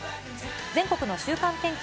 全国の週間天気。